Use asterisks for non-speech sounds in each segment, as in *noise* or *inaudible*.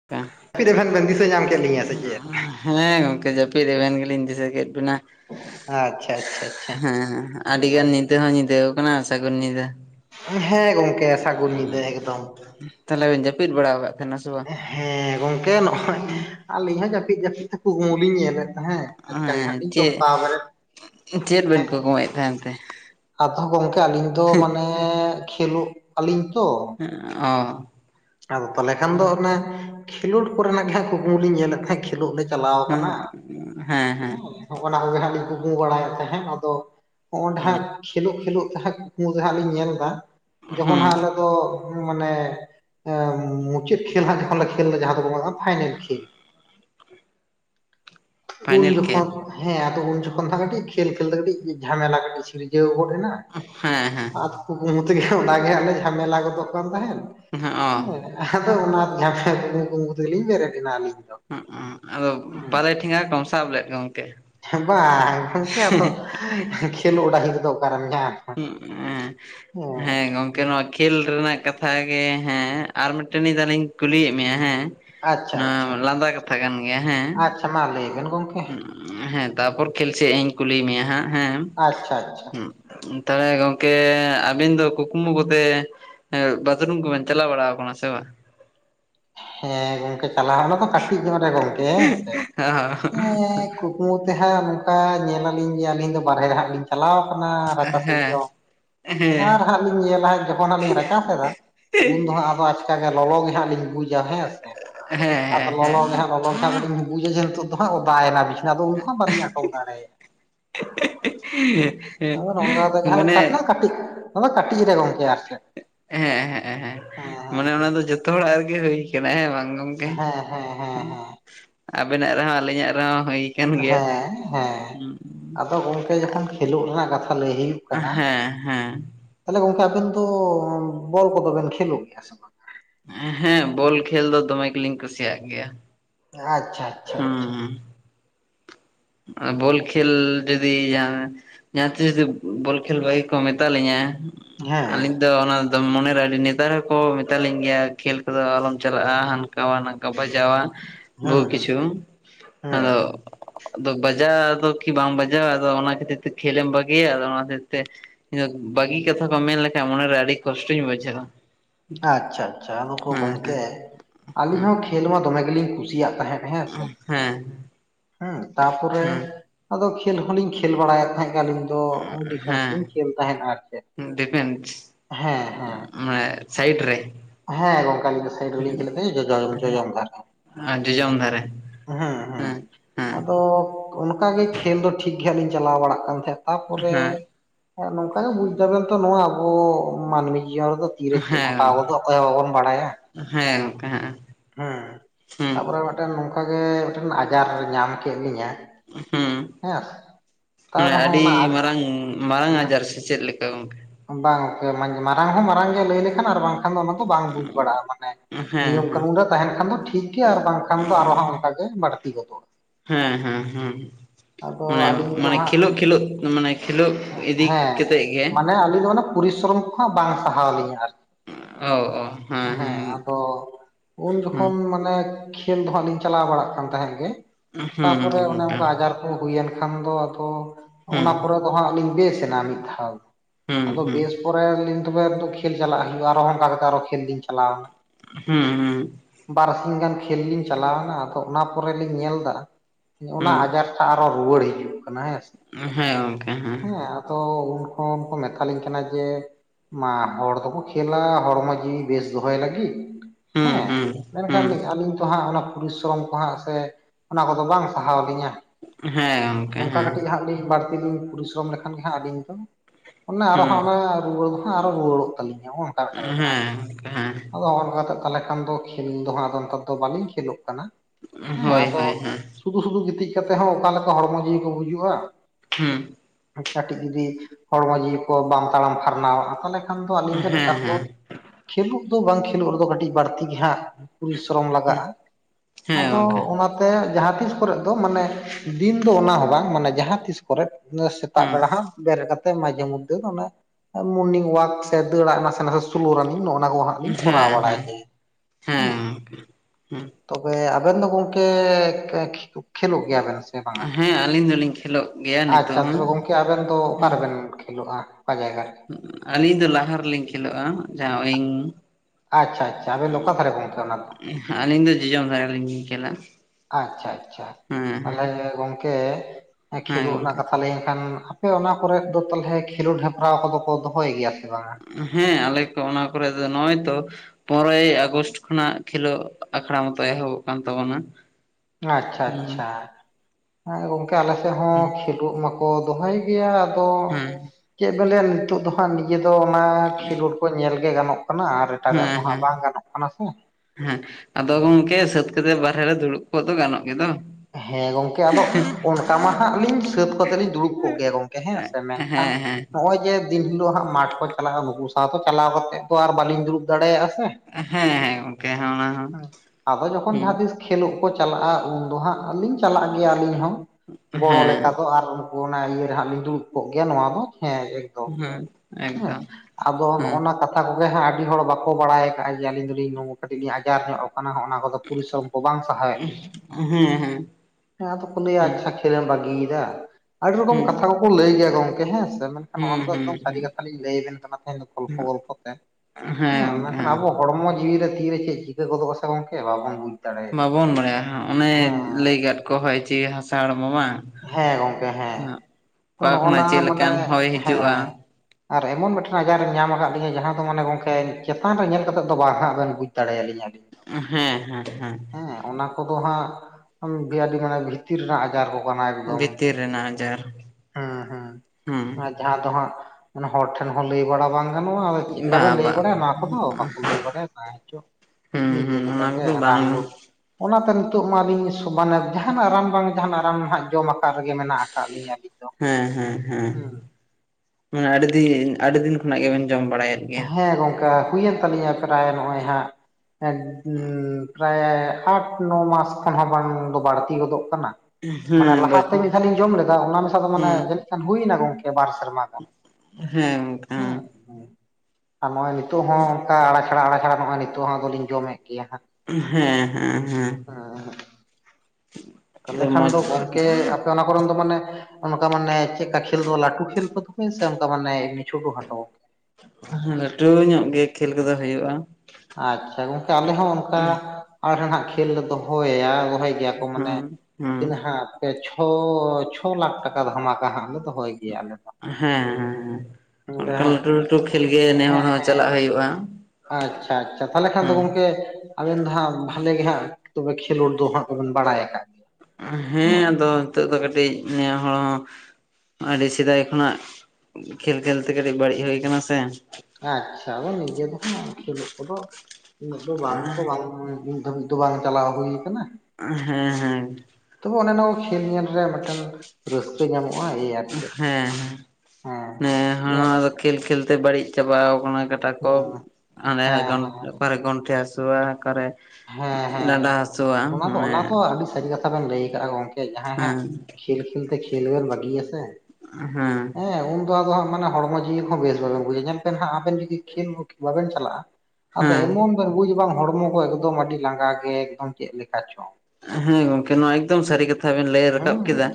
*inaudible* *unintelligible* ᱪᱮᱫ ᱦᱮᱸ ᱜᱚᱝᱠᱮ ᱡᱟᱹᱯᱤᱫ ᱮᱵᱷᱮᱱ ᱜᱮᱞᱤᱧ ᱫᱤᱥᱟᱹ ᱠᱮᱫ ᱵᱤᱱᱟ ᱟᱪᱪᱷᱟ ᱟᱪᱪᱷᱟ ᱟᱪᱪᱷᱟ ᱦᱮᱸ ᱦᱮᱸ ᱟᱹᱰᱤ ᱜᱟᱱ ᱧᱤᱫᱟᱹ ᱦᱚᱸ ᱧᱤᱫᱟᱹ ᱠᱟᱱᱟ ᱥᱟᱹᱜᱩᱱ ᱧᱤᱫᱟᱹ ᱦᱮᱸ ᱦᱮᱸ ᱜᱚᱝᱠᱮ ᱥᱟᱹᱜᱩᱱ ᱧᱤᱫᱟᱹ ᱮᱠᱫᱚᱢ ᱛᱟᱦᱚᱞᱮ ᱵᱤᱱ ᱡᱟᱹᱯᱤᱫ ᱵᱟᱲᱟ ᱟᱠᱟᱫ ᱛᱟᱦᱮᱱᱟ ᱥᱮ ᱵᱟᱝ? ᱦᱮᱸ ᱜᱚᱝᱠᱮ ᱱᱚᱜᱼᱚᱭ ᱟᱞᱤᱧ ᱦᱚᱸ ᱡᱟᱯᱤᱫ ᱡᱟᱯᱤᱫ ᱛᱮ ᱠᱩᱠᱢᱩ ᱞᱤᱧ ᱧᱮᱞᱮᱫ ᱛᱟᱦᱮᱸᱫ ᱟᱪᱠᱟ ᱜᱮ ᱦᱮᱸ ᱦᱟᱜ ᱞᱤᱧ ᱪᱮᱫ ᱪᱚᱢᱠᱟᱣ ᱵᱮᱨᱮᱫ ᱪᱮᱫ ᱵᱮᱱ ᱦᱮᱸ ᱠᱩᱠᱢᱩᱭᱮᱫ ᱛᱟᱦᱮᱱ ᱛᱮ? ᱟᱫᱚ ᱜᱚᱝᱠᱮ ᱟᱹᱞᱤᱧ ᱫᱚ ᱢᱟᱱᱮ ᱠᱷᱮᱞᱳᱜ ᱟᱹᱞᱤᱧ ᱛᱚ ᱚᱻ ᱟᱫᱚ ᱛᱟᱦᱚᱞᱮ ᱠᱷᱟᱱ ᱫᱚ ᱚᱱᱟ ᱠᱷᱮᱞᱳᱰ ᱠᱚᱨᱮᱱᱟᱜ ᱜᱮ ᱦᱟᱜ ᱠᱩᱠᱢᱩ ᱞᱤᱧ ᱧᱮᱞᱮᱫ ᱛᱟᱦᱮᱸᱜ ᱠᱷᱮᱞᱳᱜ ᱞᱟᱜᱤᱜ ᱦᱩᱸ ᱦᱮᱸ ᱦᱮᱸ ᱦᱚᱜᱼᱱᱟ ᱠᱚᱜᱮ ᱦᱟᱸᱜ ᱞᱤᱧ ᱠᱩᱠᱩ ᱵᱟᱲᱟᱭ ᱛᱟᱦᱮᱸᱫ ᱟᱫᱚ ᱚᱰᱮ ᱦᱮᱸ ᱦᱟᱸᱜ ᱠᱷᱮᱞᱳᱜ ᱠᱷᱮᱞᱳᱜ ᱛᱟᱦᱮᱫ ᱠᱩᱠᱢᱩ ᱡᱟᱦᱟ ᱞᱤᱧ ᱧᱮᱞ ᱫᱟ, ᱡᱚᱠᱷᱚᱱ ᱦᱮᱸ ᱦᱟᱜ ᱟᱞᱮ ᱫᱚ ᱢᱟᱱᱮ *inaudible* ᱢᱩᱪᱟᱹᱫ ᱠᱷᱮᱞ ᱦᱟᱸᱜ ᱡᱮᱠᱷᱚᱱ ᱞᱮ ᱠᱷᱮᱞ ᱫᱚ ᱡᱟᱦᱟ ᱠᱚᱫᱚ ᱵᱚᱱ ᱯᱟᱭᱱᱟᱞᱠᱷᱮᱞ ᱩᱱ ᱯᱷᱟᱭᱱᱮᱞ ᱠᱷᱮᱞ ᱡᱚᱠᱷᱚᱱ ᱦᱮᱸ ᱟᱫᱚ ᱩᱱ ᱡᱚᱠᱷᱚᱱ ᱫᱚ ᱦᱟᱸ ᱠᱟᱹᱴᱤᱡ ᱠᱷᱮᱞ ᱠᱷᱮᱞ ᱛᱮ ᱠᱟᱹᱴᱤᱡ ᱡᱷᱟᱢᱮᱞᱟ ᱠᱟᱹᱴᱤᱡ ᱥᱤᱨᱡᱟᱹᱣ ᱜᱚᱫ ᱮᱱᱟ ᱦᱮᱸ ᱦᱮᱸ᱾ ᱟᱫᱚ ᱠᱩᱠᱢᱩ ᱛᱮᱜᱮ ᱚᱸᱱᱟ ᱜᱮ ᱦᱟᱜ ᱞᱮ ᱡᱷᱟᱢᱮᱞᱟ ᱜᱚᱫᱚᱜ ᱠᱟᱱ ᱛᱟᱦᱮᱸᱫ᱾ ᱚ ᱦᱮᱸ ᱟᱫᱚ ᱚᱱᱟ *unintelligible* ᱠᱩᱠᱢᱩ ᱠᱩᱠᱢᱩ ᱛᱮᱜᱮᱞᱤᱧ ᱵᱮᱨᱮᱫ ᱮᱱᱟ ᱟᱹᱞᱤᱧ ᱫᱚ᱾ ᱦᱩᱸᱜ ᱩᱸ ᱟᱫᱚ ᱯᱟᱞᱮ ᱴᱷᱮᱸᱜᱟ ᱠᱚᱢ ᱥᱟᱵ ᱞᱮᱫ ᱜᱚᱝᱠᱮ? ᱵᱟᱝ ᱟ ᱜᱚᱝᱠᱮ ᱟᱫᱚ *unintelligible* ᱠᱷᱮᱞᱳᱜ ᱰᱟᱹᱦᱤ ᱨᱮᱫᱚ ᱚᱠᱟᱨᱮᱢ ᱧᱟᱢᱟ᱾ *unintelligible* ᱦᱮᱸ ᱜᱚᱝᱠᱮ ᱱᱚᱣᱟ᱾ ᱠᱷᱮᱞ ᱨᱮᱱᱟᱜ ᱠᱟᱛᱷᱟ ᱜᱮ ᱦᱮᱸ ᱟᱨ ᱢᱤᱫᱴᱮᱱ ᱫᱟᱞᱤᱧ ᱠᱩᱞᱤᱭᱮᱜ ᱢᱮᱭᱟ ᱦᱮᱸ᱾ ᱟᱪᱪᱷᱟ ᱱᱚᱣᱟ ᱞᱟᱸᱫᱟ ᱠᱟᱛᱷᱟ ᱠᱟᱱ ᱜᱮᱭᱟ ᱦᱮᱸ᱾ ᱛᱟᱦᱟ ᱞᱟᱹᱭ ᱵᱮᱱ ᱜᱚᱝᱠᱮ᱾ ᱦᱮᱸ ᱛᱟᱯᱚᱨ ᱠᱷᱮᱞ ᱥᱮᱫ ᱤᱧ ᱠᱩᱞᱤ ᱢᱮᱭᱟ ᱦᱟᱸᱜ ᱦᱮᱸ᱾ ᱟᱪᱪᱷᱟ ᱟᱪᱪᱷᱟ ᱛᱚᱵᱮ ᱜᱚᱝᱠᱮ ᱟᱹᱵᱤᱱ ᱫᱚ ᱠᱩᱠᱢᱩ ᱠᱚᱛᱮ ᱵᱟᱛᱷᱨᱩᱢ ᱠᱚᱵᱮᱱ ᱪᱟᱞᱟᱣ ᱵᱟᱲᱟᱣ ᱠᱟᱱᱟ ᱥᱮ ᱵᱟᱝ? ᱦᱮᱸ ᱜᱚᱝᱠᱮ ᱪᱟᱞᱟᱜ ᱚᱱᱟ ᱫᱚ ᱠᱟᱹᱴᱤᱡ ᱧᱚᱜ ᱨᱮ ᱜᱚᱝᱠᱮ ᱦᱮᱸᱥᱮ᱾ᱦᱮᱸ ᱦᱮᱸ ᱠᱩᱠ ᱠᱩ ᱛᱮ ᱦᱟᱸᱜ ᱱᱚᱝᱠᱟ ᱧᱮᱞ ᱟᱹᱞᱤᱧ ᱡᱮ ᱟᱹᱞᱤᱧ ᱫᱚ ᱵᱟᱨᱦᱮ ᱦᱟᱸᱜ ᱞᱤᱧ ᱪᱟᱞᱟᱣ ᱠᱟᱱᱟ ᱨᱟᱪᱟ ᱥᱮ ᱡᱚᱝ ᱦᱮᱸ ᱟᱨ ᱦᱟᱸᱜ ᱞᱤᱧ ᱧᱮᱞᱟ ᱡᱚᱠᱷᱚᱱ ᱦᱟᱸᱜ ᱞᱤᱧ ᱨᱟᱪᱟ ᱥᱮᱫᱟ ᱩᱱ ᱫᱚ ᱟᱵᱚ ᱟᱪᱠᱟ ᱜᱮ ᱞᱚᱞᱚ ᱜᱮ ᱦᱟᱸᱜ ᱞᱤᱧ ᱵᱩᱡᱟ ᱦᱮᱸᱥᱮ ᱦᱮᱸ ᱦᱮᱸ ᱟᱫᱚ ᱞᱚᱞᱚ ᱦᱮᱸ ᱜᱮ ᱦᱟᱸᱜ ᱞᱚᱞᱚ ᱜᱮ ᱦᱟᱸᱜ ᱵᱩᱡᱟ ᱡᱮ ᱱᱤᱛᱚᱜ ᱫᱚ ᱦᱟᱸᱜ ᱚᱫᱟᱭᱮᱱᱟ ᱵᱤᱪᱷ ᱟᱫᱚ ᱩᱱ ᱦᱚᱸ ᱵᱟᱹᱞᱤᱧ ᱟᱴᱚᱠ ᱫᱟᱲᱮᱭᱟᱜᱼᱟ᱾ ᱦᱮᱸ ᱟᱫᱚ ᱱᱚᱝᱠᱟ ᱠᱟᱛᱮ ᱜᱮ ᱦᱟᱸᱜ ᱢᱟᱱᱮ ᱠᱟᱹᱴᱱᱟ ᱠᱟ. ᱴᱤᱡ ᱱᱚᱣᱟ ᱫᱚ ᱠᱟᱹᱴᱤᱡ ᱨᱮ ᱜᱚᱝᱠᱮ ᱟᱨ ᱪᱮᱫ ᱦᱮᱸ ᱦᱮᱸ ᱦᱮᱸ ᱢᱟᱱᱮ ᱚᱱᱟ ᱦᱮᱸ ᱫᱚ ᱡᱷᱚᱛᱚ ᱦᱚᱲᱟᱜ ᱨᱮᱜᱮ ᱦᱳᱭ ᱠᱟᱱᱟ ᱦᱮᱸ ᱵᱟᱝ ᱜᱚᱝ᱾ ᱠᱮ ᱦᱮᱸ ᱦᱮᱸ ᱦᱮᱸ ᱦᱮᱸ ᱦᱮᱸ *inaudible* ᱟᱵᱤᱱᱟᱜ ᱨᱮᱦᱚᱸ ᱟᱹᱞᱤᱧᱟᱜ ᱨᱮᱦᱚᱸ ᱦᱳᱭ᱾ ᱦᱮᱸ ᱦᱮᱸ ᱾ᱟᱫᱚ ᱜᱚᱝᱠᱮ ᱡᱚᱠᱷᱚᱱ ᱠᱷᱮᱞᱳᱜ ᱨᱮᱱᱟᱜ ᱠᱟᱛᱷᱟ ᱞᱟᱹᱭ ᱦᱩᱭᱩᱜ ᱦᱮᱸ ᱦᱮᱸ᱾ ᱛᱟᱦᱞᱮ ᱜᱚᱝᱠᱮ ᱟᱵᱮᱱ ᱫᱚ ᱵᱚᱞ ᱠᱚᱫᱚ ᱵᱮᱱ ᱠᱷᱮᱞᱳᱜ ᱜᱮᱭᱟ ᱥᱮ ᱵᱟᱝ? ᱦᱮᱸ ᱵᱚᱞ ᱠᱷᱮᱞ ᱫᱚ ᱫᱚᱢᱮ ᱜᱮᱞᱤᱧ ᱠᱩᱥᱤᱭᱟᱜ ᱜᱮᱭᱟ᱾ ᱟᱪᱪᱷᱟ ᱟᱪᱪᱷᱟ ᱟᱪᱪᱷᱟ᱾ ᱦᱩᱸ ᱵᱚᱞ ᱠᱷᱮᱞ ᱡᱩᱫᱤ ᱧᱟᱢᱮᱱ ᱡᱟᱦᱟᱸ ᱛᱤᱥ ᱡᱩᱫᱤ ᱵᱚᱞ ᱠᱷᱮᱞ ᱵᱟᱹᱜᱤ ᱠᱚ ᱢᱮᱛᱟ ᱞᱤᱧᱟ ᱦᱮᱸ᱾ ᱫᱚ ᱚᱱᱟ ᱫᱚ ᱢᱚᱱᱮ ᱨᱮ ᱟᱹᱰᱤ ᱱᱮᱛᱟᱨ ᱦᱚᱸᱠᱚ ᱢᱮᱛᱟᱞᱤᱧ ᱜᱮᱭᱟ ᱠᱷᱮᱞ ᱠᱚᱫᱚ ᱟᱞᱚᱢ ᱪᱟᱞᱟᱜᱼᱟ᱾ ᱦᱟᱱ ᱠᱟᱣᱟ ᱱᱟᱝᱠᱟ ᱵᱟᱡᱟᱣᱟ ᱦᱩᱸ ᱵᱚᱦᱩ ᱦᱩᱸ ᱠᱤᱪᱷᱩ ᱦᱩᱸ ᱟᱫᱚ ᱟᱫᱚ ᱵᱟᱡᱟᱣ ᱟᱫᱚ ᱠᱤ ᱵᱟᱝ ᱵᱟᱡᱟᱣᱼᱟ ᱟᱫᱚ ᱚᱱᱟ ᱠᱷᱟᱹᱛᱤᱨ ᱛᱮ ᱠᱷᱮᱞ ᱮᱢ ᱵᱟᱹᱜᱤᱭᱟ ᱟᱫᱚ ᱚᱱᱟ ᱠᱷᱟᱹᱛᱤᱨ ᱛᱮ ᱤᱧ ᱫᱚ ᱵᱟᱹᱜᱤ ᱠᱟᱛᱷᱟ ᱠᱚ ᱢᱮᱱ ᱞᱮᱠᱷᱟᱱ ᱢᱚᱱᱮᱨᱮ ᱟᱹᱰᱤ ᱠᱚᱥᱴᱚᱧ ᱵᱩᱡᱷᱟᱹᱣᱟ᱾ ᱟᱪᱪᱷᱟ ᱟᱪᱪᱷᱟ ᱟᱞᱚᱠᱚ ᱦᱮᱸ ᱜᱚᱝᱠᱮ ᱦᱮᱸ ᱟᱹᱞᱤᱧ ᱦᱚᱸ ᱠᱷᱮᱞ ᱢᱟ ᱫᱚᱢᱮ ᱜᱮᱞᱤᱧ ᱠᱩᱥᱤᱭᱟᱜ ᱛᱟᱦᱮᱸᱫ᱾ ᱦᱮᱸ ᱥᱮ, ᱦᱮᱸ ᱦᱩᱸ ᱛᱟᱯᱚᱨᱮ ᱦᱮᱸ ᱟᱫᱚ ᱠᱷᱮᱞ ᱦᱚᱞᱤᱧ ᱠᱷᱮᱞ ᱵᱟᱲᱟᱭᱮᱫ ᱛᱟᱦᱮᱸᱫ ᱜᱮ ᱟᱹᱞᱤᱧ ᱛᱚ ᱩᱰᱤ ᱦᱮᱸ ᱠᱷᱟᱥ ᱞᱤᱧ ᱦᱮᱸ ᱠᱷᱮᱞ ᱛᱟᱸᱦᱮᱫ ᱟᱨ ᱪᱮᱫ ᱰᱤᱯᱷᱮᱱᱥ ᱦᱮᱸ ᱦᱮᱸ᱾ ᱥᱟᱭᱤᱴ ᱨᱮ? ᱦᱮᱸ ᱜᱚᱝᱠᱮ ᱟᱹᱞᱤᱧ ᱫᱚ ᱥᱟᱭᱤᱴ ᱨᱮᱞᱤᱧ ᱠᱷᱮᱞᱮᱫ ᱛᱟᱦᱮᱸ ᱡᱚᱡᱚᱢ ᱡᱚᱡᱚᱢ ᱫᱷᱟᱨᱮ ᱾ ᱟᱸ ᱡᱚᱡᱚᱢ ᱫᱷᱟᱨᱮ᱾ ᱦᱮᱸ ᱦᱮᱸ ᱟᱫᱚ ᱚᱱᱠᱟᱜᱮ ᱠᱷᱮᱞ ᱫᱚ ᱴᱷᱤᱠ ᱜᱮ ᱦᱟᱸᱜ ᱞᱤᱧ ᱪᱟᱞᱟᱣ ᱵᱟᱲᱟᱜ ᱠᱟᱱ ᱛᱟᱦᱮᱸ ᱛᱟᱨᱯᱚᱨᱮ ᱦᱮᱸ ᱦᱮᱸ ᱱᱚᱝᱠᱟ ᱜᱮ ᱵᱩᱡ ᱫᱟᱵᱮᱱ ᱛᱚ ᱱᱚᱣᱟ ᱟᱵᱚ ᱢᱟᱹᱱᱢᱤ ᱡᱤᱭᱚᱱ ᱨᱮᱫᱚ᱾ ᱛᱤᱨᱮ ᱪᱮᱫ ᱦᱮᱸ ᱜᱷᱚᱴᱟᱣ ᱜᱚᱫᱚᱜ ᱚᱠᱚᱭ ᱦᱚᱸ ᱵᱟᱵᱚᱱ ᱵᱟᱲᱟᱭᱟ᱾ ᱦᱮᱸ ᱜᱚᱢᱠᱮ ᱦᱮᱸᱜ ᱮ᱾ ᱦᱮᱸ ᱛᱟᱯᱚᱨᱮ ᱢᱤᱫᱴᱮᱱ ᱱᱚᱝᱠᱟ ᱜᱮ ᱢᱤᱫᱴᱮᱱ ᱟᱡᱟᱨ ᱧᱟᱢ ᱠᱮᱫ ᱞᱤᱧᱟᱹ᱾ ᱦᱮᱸ ᱛᱟᱣ ᱦᱩᱸ ᱨᱮᱦᱚᱸ ᱟᱹᱰᱤ ᱚᱱᱟ ᱢᱟᱨᱟᱝ ᱢᱟᱨᱟᱝ ᱟᱡᱟᱨ ᱥᱮ ᱪᱮᱫ ᱞᱮᱠ *unintelligible* ᱵᱟᱝ ᱜᱚᱢᱠᱮ ᱢᱟᱨᱟᱝ ᱦᱚᱸ ᱢᱟᱨᱟᱝ ᱜᱮᱭᱟ ᱞᱟᱹᱭ ᱞᱮᱠᱷᱟᱱ ᱟᱨ ᱵᱟᱝᱠᱷᱟᱱ ᱚᱱᱟ ᱫᱚ᱾ ᱵᱟᱝ ᱵᱩᱡ ᱵᱟᱲᱟᱜᱼᱟ ᱢᱟᱱᱮ ᱦᱮᱸ ᱱᱤᱭᱚᱢ ᱦᱮᱸ ᱠᱟᱹᱱᱩᱱ ᱨᱮ ᱛᱟᱸᱦᱮᱱ ᱠᱷᱟᱱ ᱫᱚ ᱴᱷᱤᱠ ᱜᱮᱭᱟ ᱟᱨ ᱵᱟᱝᱠᱷᱟᱱ ᱫᱚ ᱟᱨ ᱦᱚᱸ ᱚᱱᱠᱟᱜᱮ, ᱮᱸᱜ ᱵᱟᱲᱛᱤ ᱜᱚᱫᱚᱜᱼᱟ᱾ ᱦᱮᱸ ᱦᱮᱸ ᱦᱮᱸ᱾ ᱟᱫᱚ ᱢᱟᱱᱮ ᱟᱹᱞᱤᱧ ᱫᱚ ᱢᱟᱱᱮ ᱦᱟᱸᱜ ᱠᱷᱮᱞᱳᱜ ᱠᱷᱮᱞᱳᱜ ᱢᱟᱱᱮ ᱠᱷᱮᱞᱳᱜ ᱤᱫᱤ ᱠᱮᱛᱮᱜ ᱦᱮᱸ ᱜᱮ, ᱢᱟᱱᱮ ᱟᱹᱞᱤᱧ ᱫᱚ ᱢᱟᱱᱮ ᱯᱚᱨᱤᱥᱨᱚᱢ ᱠᱚ ᱦᱚᱸ ᱵᱟᱝ ᱥᱟᱦᱟᱣ ᱞᱤᱧᱟ ᱟᱨᱠᱤ, ᱦᱮᱸ ᱟᱫᱚ ᱩᱱ ᱦᱩᱸ ᱡᱚᱠᱷᱚᱱ ᱢᱟᱱᱮ, ᱮ ᱠᱷᱮᱞ ᱫᱚ ᱦᱟᱸᱜ ᱞᱤᱧ ᱪᱟᱞᱟᱣ ᱵᱟᱲᱟᱜ ᱠᱟᱱ ᱛᱟᱦᱮᱸᱫ ᱜᱮ ᱦᱩᱸ ᱛᱟᱯᱚᱨᱮ ᱚᱱᱮ ᱜᱚᱝᱠᱮ ᱚᱱᱠᱟ ᱟᱡᱟᱨ ᱠᱚ ᱦᱩᱭᱮᱱ ᱠᱷᱟᱱ ᱫᱚ ᱟᱫᱚ ᱦᱩᱸ ᱚᱱᱟ ᱯᱚᱨᱮ ᱫᱚ ᱦᱟᱸᱜ ᱞᱤᱧ ᱵᱮᱥᱮᱱᱟ ᱢᱤᱫ ᱫᱷᱟᱣ ᱦᱩᱸ ᱟᱫᱚ ᱦᱩᱸ ᱵᱮᱥ ᱯᱚᱨᱮ ᱞᱤᱧ ᱛᱚᱵᱮ ᱠᱷᱮᱞ ᱪᱟᱞᱟᱜ ᱦᱩᱭᱩᱜᱼᱟ ᱟᱨ ᱚᱱᱠᱟ ᱞᱮᱠᱟ ᱠᱷᱮᱞ ᱞᱤᱧ ᱪᱟᱞᱟᱱᱟ᱾ ᱦᱩᱸ ᱦᱩᱸ᱾ ᱵᱟᱨᱥᱤᱧ ᱜᱟᱱ ᱠᱷᱮᱞ ᱞᱤᱧ ᱪᱟᱞᱟᱣᱱᱟ ᱟᱫᱚ ᱚᱱᱟ ᱯᱚᱨᱮᱞᱤᱧ ᱧᱮᱞ ᱫᱟ ᱚᱱᱟ ᱦᱩᱸ ᱟᱢᱟᱨ, ᱟᱨᱚ ᱨᱩᱣᱟᱹᱲ ᱦᱤᱡᱩᱜ ᱠᱟᱱᱟ ᱦᱮᱸ ᱥᱮ᱾ ᱦᱮᱸ ᱜᱚᱝᱠᱮ ᱦᱮᱸ᱾ ᱛᱚ ᱩᱱᱠᱷᱚᱱᱱ ᱠᱚ ᱢᱮ ᱢᱮᱛᱟᱞᱤᱧ ᱠᱟᱱᱟ ᱡᱮ ᱢᱟ ᱦᱚᱲ ᱫᱚᱵᱚ ᱠᱷᱮᱞᱟ ᱦᱚᱲᱢᱚ ᱡᱤᱣᱤ ᱵᱮᱥ ᱫᱚᱦᱚᱭ ᱞᱟᱹᱜᱤᱫ᱾ ᱦᱩᱸ ᱦᱮᱸ ᱦᱩᱸ ᱦᱩᱸ ᱢᱮᱱᱠᱷᱟᱱ ᱟᱹᱞᱤᱧ, ᱫᱚ ᱦᱟᱸᱜ ᱚᱱᱟ ᱯᱚᱨᱤᱥᱨᱚᱢ ᱠᱚ ᱦᱟᱸᱜ ᱥᱮ ᱚᱱᱟ ᱠᱚᱫᱚ ᱵᱟᱝ ᱥᱟᱦᱟᱣᱞᱤᱧᱟᱹ᱾ ᱦᱮᱸ ᱜᱚᱝᱠᱮ ᱚᱱᱠᱟ ᱦᱮᱸ ᱠᱟᱹᱴᱤᱡ ᱦᱟᱸᱜ ᱵᱟᱹᱲᱛᱤ ᱞᱤᱧ ᱯᱚᱨᱤᱥᱨᱚᱢ ᱞᱮᱠᱷᱟᱱ ᱜᱮ ᱦᱟᱸᱜ ᱟᱹᱞᱤᱧ ᱫᱚ ᱚᱱᱮ ᱟᱨᱚ ᱦᱩᱸ ᱦᱟᱸᱜ ᱚᱱᱮ ᱨᱩᱣᱟᱹ ᱫᱚ ᱦᱟᱸᱜ ᱟᱨᱚ ᱨᱩᱣᱟᱹᱲᱚᱜ ᱛᱟᱞᱤᱧ, ᱦᱮᱸ ᱚᱱᱠᱟ ᱢᱤᱫᱴᱟᱝ ᱵᱮᱯᱟᱨ ᱦᱮᱸ ᱜᱚᱝᱠᱮ ᱦᱮᱸ ᱟᱫᱚ ᱚᱱᱠᱟ ᱠᱟᱛᱮ ᱛᱟᱦᱚᱞᱮ ᱠᱷᱟᱱ ᱫᱚ ᱠᱷᱮ ᱠᱷᱮᱞ ᱫᱚ ᱦᱟᱸᱜ ᱟᱫᱚ ᱱᱮᱛᱟᱨ ᱫᱚ ᱵᱟᱹᱞᱤᱧ ᱠᱷᱮᱞᱳᱜ ᱠᱟᱱᱟ ᱦᱳᱭ ᱦᱮᱸ ᱦᱳᱭ ᱟᱫᱚ, ᱥᱩᱫᱩ ᱥᱩᱫᱩ ᱜᱤᱛᱤᱡ ᱠᱟᱛᱮ ᱦᱚᱸ ᱚᱠᱟ ᱞᱮᱠᱟ ᱦᱚᱲᱢᱚ ᱡᱤᱣᱤ ᱠᱚ ᱵᱩᱡᱩᱜᱼᱟ᱾ ᱦᱩᱸ᱾ ᱠᱟᱹᱴᱤᱡ ᱡᱩᱫᱤ ᱦᱚᱲᱢᱚ ᱡᱤᱣᱤ ᱠᱚ ᱵᱟᱢ ᱛᱟᱲᱟᱢ ᱯᱷᱟᱨᱱᱟ ᱱᱟᱣᱟᱜᱼᱟ ᱛᱟᱦᱚᱞᱮ, ᱠᱷᱟᱱ ᱫᱚ ᱟᱹᱞᱤᱧ ᱫᱚ ᱱᱮᱛᱟᱨ ᱦᱮᱸ ᱫᱚ ᱦᱮᱸ ᱠᱷᱮᱞᱳᱜ ᱫᱚ ᱵᱟᱝ ᱠᱷᱮᱞᱳᱜ ᱨᱮᱫᱚ ᱠᱟᱹᱴᱤᱡ ᱵᱟᱹᱲᱛᱤ ᱜᱮ ᱦᱟᱸᱜ ᱯᱚᱨᱤᱥᱨᱚᱢ ᱞᱟᱜᱟᱜᱼᱟ᱾ ᱦᱮᱸ ᱟᱫᱚ ᱜᱚᱝᱠᱮ ᱚᱱᱟ ᱛᱮ ᱡᱟᱦᱟᱸ ᱛᱤᱥ ᱠᱚᱨᱮ ᱫᱚ ᱢᱟᱱᱮ ᱫᱤᱱ ᱫᱚ ᱚᱱᱟ ᱦᱚᱸ ᱵᱟᱝ ᱢᱟᱱᱮ ᱡᱟᱦᱟᱸ ᱛᱤᱥ ᱠᱚᱨᱮᱫ ᱮᱸᱜ ᱥᱮᱛᱟᱜ ᱦᱩᱸ ᱵᱮᱲᱟ ᱦᱟᱸᱜ ᱵᱮᱨᱮᱫ ᱠᱟᱛᱮ ᱢᱟᱡᱷᱮ ᱢᱚᱫ ᱫᱷᱮ ᱚᱱᱮ ᱢᱚᱨᱱᱤᱝ ᱚᱣᱟᱠ ᱥᱮ ᱫᱟᱹᱲᱟᱜ ᱱᱟᱥᱮ ᱦᱩᱥ ᱥᱳᱞᱳ ᱨᱟᱱᱤᱝ, ᱚᱱᱟ ᱠᱚ ᱦᱟᱸᱜ ᱞᱤᱧ ᱠᱚᱨᱟᱣ ᱦᱮᱸ ᱵᱟᱲᱟᱭ ᱦᱮᱸ ᱜᱮᱭᱟ ᱦᱮᱸ ᱦᱩᱸ᱾ ᱜᱚᱝᱠᱮ ᱦᱩᱸ ᱛᱚᱵᱮ ᱟᱵᱮᱱ ᱫᱚ ᱜᱚᱝᱠᱮ ᱠᱷᱮᱞᱳᱜ ᱜᱮᱭᱟᱵᱮᱱ ᱥᱮ? ᱥᱮ ᱵᱟᱝᱟ ᱦᱮᱸ ᱟᱹᱞᱤᱧ ᱫᱚᱞᱤᱧ ᱠᱷᱮᱞᱳᱜ ᱜᱮᱭᱟ ᱱᱤᱛᱚᱜ ᱟᱪᱪᱷᱟ ᱦᱚᱸ ᱛᱚᱵᱮ ᱜᱚᱝᱠᱮ ᱟᱵᱮᱱ ᱫᱚ ᱚᱠᱟ ᱨᱮᱵᱮᱱ ᱠᱷᱮᱞᱳᱜᱼᱟ ᱚᱠᱟ ᱡᱟᱭᱜᱟ ᱨᱮ? ᱟᱹᱞᱤᱧ ᱫᱚ ᱞᱟᱦᱟ ᱨᱮᱞᱤᱧ ᱠᱷᱮᱞᱳᱜᱼᱟ ᱡᱟᱦᱟᱸ ᱩᱭᱤᱝ ᱟᱪᱪᱷᱟ ᱟᱪᱪᱷᱟ ᱟᱵᱮᱱ ᱫᱚ ᱚᱠᱟ ᱫᱷᱟᱨᱮ ᱵᱮᱱ ᱛᱟᱦᱮᱱᱟ? ᱟᱹᱞᱤᱧ ᱫᱚ ᱡᱚᱡᱚᱢ ᱫᱷᱟᱨᱮ ᱞᱤᱧ ᱠᱷᱮᱞᱟ ᱟᱪᱪᱷᱟ ᱟᱪᱪᱷᱟ ᱦᱮᱸ ᱦᱮᱸ ᱛᱟᱦᱚᱞᱮ ᱜᱚᱝᱠᱮ, ᱜᱚᱢᱠᱮ ᱦᱮᱸ ᱠᱷᱮᱞᱳᱜ ᱨᱮᱱᱟᱜ ᱜᱚᱝᱠᱮ ᱠᱟᱛᱷᱟ ᱞᱟᱹᱭ ᱮᱱᱠᱷᱟᱱ ᱦᱮ ᱚᱱᱟ ᱠᱚᱨᱮ ᱫᱚ ᱛᱟᱞᱚᱞᱮ ᱠᱷᱮᱞᱳᱰ ᱦᱮᱯᱨᱟᱣ ᱠᱚᱫᱚ ᱠᱚ ᱫᱚᱦᱚᱭ ᱜᱮᱭᱟ ᱥᱮ ᱵᱟᱝᱟ᱾ ᱦᱮᱸ ᱟᱞᱮ ᱠᱚ ᱚᱱᱟ ᱠᱚᱨᱮ ᱫᱚ ᱱᱚᱜ-ᱚᱭ ᱛᱚ᱾ ᱯᱚᱱᱨᱚᱭ ᱟᱜᱚᱥᱴ ᱠᱷᱚᱱᱟᱜ ᱠᱷᱮᱞᱳᱜ ᱟᱠᱷᱲᱟ ᱢᱚᱛᱚ ᱮᱦᱚᱵᱚᱜ ᱠᱟᱱ ᱛᱟᱵᱚᱱᱟ᱾ ᱟᱪᱪᱷᱟ ᱦᱩᱸ ᱟᱪᱪᱷᱟ ᱜᱚᱝᱠᱮ ᱟᱞᱮᱥᱮᱫ ᱦᱚᱸ ᱦᱩᱸ ᱠᱷᱮᱞᱳᱜ ᱢᱟᱠᱚ᱾ ᱫᱚᱦᱚᱭ ᱜᱮᱭᱟ ᱟᱫᱚ ᱦᱮᱸ ᱪᱮᱫ ᱵᱮᱱ ᱞᱟᱹᱭᱟ ᱱᱤᱛᱚᱜ ᱫᱚ ᱦᱟᱸᱜ ᱱᱤᱡᱮ ᱫᱚ ᱚᱱᱟ ᱠᱷᱮᱞᱳᱰ ᱠᱚ ᱧᱮᱞ ᱜᱮ ᱜᱟᱱᱚᱜ ᱠᱟᱱᱟ ᱟᱨ ᱮᱴᱟᱜᱟᱜ ᱦᱮᱸ ᱫᱚ ᱦᱟᱸᱜ ᱦᱮᱸ ᱵᱟᱝ ᱜᱟᱱᱚᱜ ᱠᱟᱱᱟ ᱥᱮᱼᱼ ᱦᱮᱸ ᱟᱫᱚ ᱜᱚᱝᱠᱮ ᱥᱟᱹᱛ ᱠᱟᱛᱮᱜ ᱵᱟᱨᱦᱮ ᱨᱮ ᱫᱩᱲᱩᱵ ᱠᱚᱜ ᱫᱚ ᱜᱟᱱᱚᱜ ᱜᱮᱫᱚ᱾ ᱦᱮᱸ ᱜᱚᱢᱠᱮ ᱟᱫᱚ ᱚᱱᱠᱟ ᱢᱟ ᱦᱟᱸᱜ ᱞᱤᱧ ᱥᱟᱹᱛ ᱠᱟᱛᱮᱫ ᱞᱤᱧ ᱫᱩᱲᱩᱵ ᱠᱚᱜ ᱜᱮᱭᱟ ᱜᱚᱢᱠᱮ ᱦᱮᱸ ᱥᱮ ᱢᱮᱱᱠᱷᱟᱱᱼᱼ ᱱᱚᱜᱚᱭ ᱡᱮ ᱫᱤᱱ ᱦᱤᱞᱳᱜ ᱢᱟᱴᱷ ᱠᱚ ᱪᱟᱞᱟᱜ-ᱟ ᱱᱩᱠᱩ ᱥᱟᱶᱛᱮ ᱪᱟᱞᱟᱣ ᱠᱟᱛᱮᱜ ᱛᱚ ᱟᱨ ᱵᱟᱝᱞᱤᱧ ᱫᱩᱲᱩᱵ ᱫᱟᱲᱮᱭᱟᱜ-ᱟ ᱥᱮ ᱦᱮᱸ ᱜᱚᱝᱠᱮ ᱦᱚᱸ ᱚᱱᱟ ᱦᱚᱸ, ᱟᱫᱚ ᱡᱚᱠᱷᱚᱱ ᱦᱮᱸ ᱡᱟᱦᱟᱸ ᱛᱤᱥ ᱠᱷᱮᱞᱳᱜ ᱠᱚ ᱪᱟᱞᱟᱜ-ᱟ ᱩᱱ ᱫᱚ ᱦᱟᱸᱜ ᱞᱤᱧ ᱪᱟᱞᱟᱜ ᱜᱮᱭᱟ ᱟᱹᱞᱤᱧ ᱦᱚᱸ ᱜᱚᱲᱚ ᱞᱮᱠᱟ ᱦᱮᱸ ᱫᱚ ᱟᱨ ᱚᱱᱟ ᱤᱭᱟᱹ ᱨᱮ ᱦᱟᱸᱜ ᱞᱤᱧ ᱫᱩᱲᱩᱵ ᱠᱚᱜ ᱜᱮᱭᱟ ᱱᱚᱣᱟ ᱫᱚ ᱦᱮᱸ᱾ ᱮᱠᱫᱚᱢ ᱦᱮᱸ ᱦᱮᱸ ᱮᱠᱫᱚᱢ ᱟᱫᱚ ᱦᱩᱸ᱾ ᱱᱚᱜᱼᱱᱟ ᱠᱟᱛᱷᱟ ᱠᱚᱜᱮ ᱦᱟᱸᱜ ᱟᱹᱰᱤ ᱦᱚᱲ ᱵᱟᱠᱚ ᱵᱟᱲᱟᱭ ᱟᱠᱟᱫᱟ ᱡᱮ ᱟᱹᱞᱤᱧ ᱫᱚᱞᱤᱧ ᱠᱟᱹᱴᱤᱡ ᱞᱤᱧ ᱟᱡᱟᱨ ᱧᱚᱜ ᱠᱟᱱᱟᱜ ᱚᱱᱟ ᱠᱚᱫᱚ ᱯᱚᱨᱤᱥᱨᱚᱢ ᱠᱚ ᱵᱟᱝ ᱥᱟᱦᱟᱭᱮᱫ ᱞᱤᱧᱟ᱾ ᱦᱮᱸ ᱦᱮᱸ ᱦᱮᱸ ᱟᱫᱚ ᱠᱚ ᱞᱟᱹᱭᱟ ᱦᱩᱸ ᱟᱪᱪᱷᱟ ᱠᱷᱮᱞᱢ ᱵᱟᱹᱜᱤᱭᱮᱫᱟ, ᱟᱹᱰᱤ ᱨᱚᱠᱚᱢ ᱠᱟᱛᱷᱟ ᱦᱩᱸ ᱠᱚᱠᱚ ᱞᱟᱹᱭ ᱜᱮᱭᱟ ᱜᱚᱝᱠᱮ ᱦᱮᱸ ᱥᱮ ᱢᱟᱱᱮ ᱦᱩᱸ ᱱᱚᱜ ᱫᱚ ᱮᱠᱚᱢ ᱥᱟᱹᱨᱤ ᱦᱩᱸ ᱠᱟᱛᱷᱟ ᱞᱤᱧ ᱞᱟᱹᱭ ᱟᱵᱤᱱ ᱠᱟᱱᱟ ᱫᱚ ᱜᱚᱞᱯᱚ ᱜᱚᱞᱯᱷᱚ ᱛᱮ ᱦᱮᱸ ᱢᱮᱱᱠᱷᱟᱱ ᱟᱵᱚ ᱦᱚᱲᱢᱚ ᱡᱤᱣᱤ ᱨᱮ ᱛᱤᱨᱮ ᱪᱮᱫ ᱪᱤᱠᱟᱹ ᱜᱚᱫᱚᱜ ᱟ ᱥᱮ ᱜᱚᱝᱠᱮ ᱵᱟᱵᱚᱱ ᱵᱩᱡ ᱵᱟᱵᱚᱱ ᱵᱟᱲᱟᱭᱟ ᱚᱱᱮ ᱞᱟᱹᱭ ᱟᱠᱟᱫ ᱠᱚ ᱦᱚᱭ ᱡᱤᱣᱤ ᱦᱟᱥᱟ ᱦᱚᱲᱢᱚ ᱵᱟᱝ᱾ ᱦᱮᱸ ᱜᱚᱝᱠᱮ ᱦᱮᱸ ᱛᱚ ᱚᱠᱟ ᱱᱚᱜᱼᱱᱟ ᱠᱷᱚᱱᱟᱜ ᱪᱮᱫ ᱢᱟᱱᱮ ᱞᱮᱠᱟᱱ ᱦᱚᱭ ᱦᱮᱸ ᱦᱤᱡᱩᱜᱼᱟ ᱟᱨ ᱮᱢᱚᱱ ᱢᱤᱫᱴᱮᱱ ᱟᱡᱟᱨ ᱮ ᱧᱟᱢ ᱟᱠᱟᱫᱤᱧᱟᱹ ᱡᱟᱸᱦᱟᱸ ᱫᱚ ᱢᱟᱱᱮ ᱜᱚᱝᱠᱮ ᱪᱮᱛᱟᱱ ᱨᱮ ᱧᱮᱞ ᱠᱟᱛᱮᱫ ᱫᱚ ᱵᱟᱝ ᱦᱟᱜ ᱵᱮᱱ ᱵᱩᱡᱽ ᱫᱟᱲᱮᱭᱟᱞᱤᱧᱟ᱾ ᱟᱹᱞᱤᱧ ᱫᱚ ᱦᱮᱸ ᱦᱮᱸ ᱦᱮᱸ᱾ ᱚᱱᱟ ᱠᱚᱫᱚ ᱦᱟᱸᱜ ᱢᱟᱱᱮ ᱵᱷᱤᱛᱤᱨ ᱨᱮᱱᱟᱜ ᱟᱡᱟᱨ ᱠᱚ ᱠᱟᱱᱟ ᱮᱠᱫᱚᱢ ᱵᱷᱤᱛᱤᱨ ᱨᱮᱱᱟᱜ ᱟᱡᱟᱨ ᱦᱩᱸ ᱦᱩᱸ *inaudible* ᱡᱟᱦᱟᱸ ᱫᱚ ᱦᱟᱸᱜ ᱩᱱᱟ ᱦᱚᱲ ᱴᱷᱮᱱ ᱦᱚᱸ ᱞᱟᱹᱭ ᱵᱟᱲᱟ ᱵᱟᱝ ᱾ ᱜᱟᱱᱚᱜᱼᱟ ᱟᱫᱚ ᱵᱟ ᱪᱮᱠᱟᱵᱮᱱ ᱞᱟᱹᱭ ᱵᱟ ᱵᱟᱲᱟᱭᱟ ᱚᱱᱟ ᱠᱚᱫᱚ ᱵᱟᱠᱚ ᱞᱟᱹᱭ ᱵᱟᱲᱟᱭᱟ ᱛᱟᱸᱦᱮᱪᱚ ᱾ ᱦᱩᱸ ᱱᱤᱡᱮ ᱦᱩᱸ ᱞᱮᱠᱟ ᱚᱱᱟ ᱜᱮ ᱠᱚᱫᱚ ᱵᱟᱝ ᱨᱟᱱ *inaudible* ᱚᱱᱟᱛᱮ ᱱᱤᱛᱚᱜ ᱢᱟ ᱟᱹᱞᱤᱧ ᱥᱩᱢᱟᱱᱟᱫ ᱡᱟᱦᱟᱱᱟᱜ ᱨᱟᱱ ᱵᱟᱝ ᱡᱟᱦᱟᱱᱟᱜ ᱨᱟᱱ ᱦᱟᱸᱜ ᱡᱚᱢ ᱟᱠᱟᱜ ᱨᱮᱜᱮ ᱢᱮᱱᱟᱜ ᱟ ᱾ ᱦᱮᱸ ᱦᱮᱸ ᱦᱮᱸ ᱾ ᱢᱟᱱᱮ ᱟᱹᱰᱤ ᱫᱤ ᱟᱹᱰᱤ ᱫᱤᱱ ᱠᱷᱚᱱᱟᱜ ᱜᱮᱵᱮᱱ ᱡᱚᱢ ᱵᱟᱲᱟᱭᱮᱫ ᱾ ᱦᱮᱸ ᱜᱚᱝᱠᱮ ᱦᱩᱭᱮᱱ ᱛᱟᱞᱤᱧᱟ ᱯᱨᱟᱭ ᱱᱚᱜᱼᱚᱭ ᱦᱟᱸᱜ *inaudible* ᱯᱨᱟᱭ ᱟᱴ ᱱᱚ ᱢᱟᱥ ᱠᱷᱚᱱ ᱦᱚᱸ ᱵᱟᱝ ᱫᱚ ᱵᱟᱹᱲᱛᱤ ᱜᱚᱫᱚᱜ ᱠᱟᱱᱟ ᱾ ᱢᱟᱱᱮ ᱦᱮᱸ ᱵᱟᱡ ᱞᱟᱦᱟᱛᱮ ᱢᱤᱫ ᱫᱷᱟᱣ ᱞᱤᱧ ᱡᱚᱢ ᱞᱮᱫᱟ ᱚᱱᱟ ᱢᱮᱥᱟ ᱫᱚ ᱢᱟᱱᱮ ᱦᱮᱸ ᱡᱟᱹᱱᱤᱡ ᱠᱷᱟᱱ ᱦᱩᱭᱱᱟ ᱜᱚᱢᱠᱮ ᱵᱟᱨ ᱥᱮᱨᱢᱟ ᱜᱟᱱ ᱾ ᱦᱮᱸ ᱚᱝᱠᱟ ᱟᱨ ᱱᱚᱜᱼᱚᱭ ᱱᱤᱛᱚᱜ ᱦᱚᱸ ᱚᱱᱠᱟ ᱟᱲᱟ ᱪᱷᱟᱲᱟ ᱟᱲᱟ ᱪᱷᱟᱲᱟ ᱱᱚᱜᱼᱚᱭ ᱱᱤᱛᱚᱜ ᱦᱚᱸ ᱟᱫᱚᱞᱤᱧ ᱡᱚᱢᱮᱫ ᱜᱮᱭᱟ ᱦᱟᱸᱜ ᱾ ᱦᱮᱸ ᱦᱮᱸ ᱦᱮᱸ *inaudible* ᱛᱟᱞᱮ ᱠᱷᱟᱱ ᱢᱚᱡᱽ ᱫᱚ ᱜᱚᱝᱠᱮ ᱟᱯᱮ ᱚᱱᱟ ᱠᱚᱨᱮᱱ ᱫᱚ ᱢᱟᱱᱮ ᱚᱱᱠᱟ ᱢᱟᱱᱮ ᱪᱮᱜᱠᱟ ᱠᱷᱮᱞ ᱫᱚ ᱞᱟᱹᱴᱩ ᱠᱷᱮᱞ *unintelligible* ᱥᱮ ᱚᱱᱠᱟ ᱢᱟᱱᱮ ᱮᱢᱱᱤ ᱪᱷᱳᱴᱳ ᱠᱷᱟᱴᱚ? ᱦᱮᱸ ᱞᱟᱹᱴᱩ ᱧᱚᱜ ᱜᱮ ᱠᱷᱮᱞ ᱠᱚᱫᱚ ᱦᱩᱭᱩᱜᱼᱟ ᱾ ᱟᱪᱪᱷᱟ ᱜᱚᱝᱠᱮ ᱟᱞᱮ ᱦᱚᱸ ᱚᱱᱠᱟ ᱟ ᱨᱮᱱᱟᱜ ᱠᱷᱮᱞ ᱞᱮ ᱫᱚᱦᱚᱭᱟ ᱨᱚᱦᱚᱭ ᱾ ᱜᱮᱭᱟ ᱠᱚ ᱢᱟᱱᱮ ᱦᱮᱸ ᱦᱮᱸ ᱛᱤᱱᱦᱟᱛ ᱾ ᱮ ᱪᱷᱚ ᱪᱷᱚ ᱞᱟᱠᱷ ᱴᱟᱠᱟ ᱫᱷᱟᱢᱟᱠᱟ ᱦᱟᱸᱜ ᱞᱮ ᱫᱚᱦᱚᱭ ᱜᱮᱭᱟ ᱟᱞᱮ ᱾ ᱦᱮᱸᱻ ᱚᱱᱠᱟᱱ ᱦᱟᱸᱜ ᱞᱟᱹᱴᱩ ᱞᱟᱹᱴᱩ ᱠᱷᱮᱞ ᱜᱮ ᱱᱮ ᱦᱚᱲ ᱦᱮᱸ ᱦᱚᱸ ᱦᱮᱸ ᱪᱟᱞᱟᱜ ᱦᱩᱭᱩᱜ-ᱟ᱾ ᱟᱪᱪᱷᱟ ᱟᱪᱪᱷᱟ ᱛᱟᱦᱚᱞᱮ ᱠᱷᱟᱱ ᱫᱚ ᱜᱚᱝᱠᱮ ᱟᱵᱮᱱ ᱫᱚ ᱦᱟᱸᱜ ᱵᱷᱟᱞᱮ ᱜᱮ ᱦᱟᱸᱜ ᱛᱚᱵᱮ ᱠᱷᱮᱞᱳᱰ ᱫᱚ ᱦᱟᱸᱜ ᱵᱚᱱ ᱵᱟᱲᱟᱭ ᱟᱠᱟᱫ ᱜᱮᱭᱟ ᱦᱮᱸ, ᱛᱳᱜ ᱫᱚ ᱠᱟᱹᱴᱤᱡ ᱱᱮ ᱦᱚᱲ ᱦᱚᱸ ᱟᱹᱰᱤ ᱥᱮᱫᱟᱭ ᱠᱷᱚᱱᱟᱜ ᱠᱷᱮᱞ ᱠᱷᱮᱞ ᱛᱮ ᱠᱟᱹᱴᱤᱡ ᱵᱟᱹᱲᱤᱡ ᱦᱩᱭ ᱠᱟᱱᱟ ᱥᱮ, ᱟᱪᱪᱷᱟ ᱟᱫᱚ ᱱᱤᱡᱮ ᱫᱚ ᱦᱟᱸᱜ ᱠᱷᱸᱮᱞᱳᱜ ᱠᱚᱫᱚ ᱩᱱᱟᱹᱜ ᱫᱚ ᱵᱟᱝ ᱠᱚ ᱵᱟᱝ ᱱᱤᱛ ᱫᱷᱟᱹᱵᱤᱡ ᱫᱚ ᱵᱟᱝ ᱪᱟᱞᱟᱣ ᱦᱩᱭ ᱠᱟᱱᱟ, ᱦᱮᱸ ᱦᱮᱸ ᱛᱚᱵᱮ ᱚᱱᱮ ᱚᱱᱟ ᱠᱚ ᱠᱷᱮᱞ ᱧᱮᱞ ᱨᱮᱭᱟᱜ ᱢᱮᱫᱴᱮᱱ ᱨᱟᱹᱥ ᱠᱟᱹ ᱧᱟᱢᱚᱜ-ᱟ ᱮᱭ ᱟᱨ ᱪᱮᱫ ᱦᱮᱸ ᱦᱮᱸ ᱦᱮᱸ ᱦᱚᱲᱢᱚ ᱧᱮᱞ ᱫᱚ ᱠᱷᱮᱞ ᱠᱷᱮᱞ ᱛᱮ ᱵᱟᱹᱲᱤᱡ ᱪᱟᱵᱟᱣ ᱠᱟᱱᱟ ᱠᱟ ᱴᱟ ᱠᱚ ᱦᱟᱱᱮ ᱦᱮᱸ ᱜᱚᱱ ᱦᱮᱸ ᱚᱠᱟᱨᱮ ᱜᱚᱱᱴᱷᱮ ᱦᱟᱥᱩᱣᱟ ᱚᱠᱟᱨᱮ ᱦᱮᱸ ᱦᱮᱸ ᱰᱟᱸᱰᱟ ᱦᱟᱹᱥᱩᱣᱟ ᱚᱱᱟ ᱫᱚ ᱢᱟᱱᱮ ᱚᱱᱟ ᱫᱚ ᱟᱹᱰᱤ ᱥᱟᱹᱨᱤ ᱠᱟᱛᱷᱟ ᱛᱟ ᱵᱮᱱ ᱞᱟᱹᱭ ᱠᱟᱜ-ᱟ ᱜᱚᱝᱠᱮ ᱡᱟᱦᱟᱸᱭ ᱦᱟᱸᱜ ᱦᱮᱸ ᱠᱷᱮᱞ ᱠᱷᱮᱞ ᱛᱮ ᱠᱷᱮᱞ ᱵᱮᱱ ᱵᱟᱹᱜᱤᱭᱟ ᱥᱮ ᱦᱮᱸ ᱦᱮᱸ ᱩᱱᱫᱚ ᱟᱫᱚ ᱦᱟᱸᱜ ᱢᱟᱱᱮ ᱦᱚᱲᱢᱚ ᱡᱤᱣᱤ ᱠᱚᱦᱚᱸ ᱵᱮᱥ ᱵᱟᱵᱮᱱ ᱵᱩᱡᱟ ᱧᱮᱞ ᱵᱮᱱ ᱦᱟᱸᱜ ᱟᱵᱮᱱ ᱡᱩᱫᱤ ᱠᱷᱮᱞ ᱵᱟᱵᱮᱱ ᱪᱟᱞᱟᱜ-ᱟ ᱟᱫᱚ ᱦᱮᱸ ᱮᱢᱚᱱ ᱵᱮᱱ ᱵᱩᱡᱟ ᱵᱟᱝ ᱦᱚᱲᱢᱚ ᱠᱚ ᱮᱠᱫᱚᱢ ᱟᱹᱰᱤ ᱞᱟᱸᱜᱟ ᱜᱮ ᱮᱠᱫᱚᱢ ᱪᱮᱫ ᱞᱮᱠᱟ ᱪᱚᱝ᱾ ᱦᱮᱸ ᱜᱚᱝᱠᱮ ᱱᱚᱣᱟ ᱮᱠᱫᱚᱢ ᱥᱟᱹᱨᱤ ᱠᱟᱛᱷᱟ ᱵᱮᱱ ᱞᱟᱹᱭ ᱦᱮᱸ ᱨᱟᱠᱟᱵ ᱠᱮᱫᱟ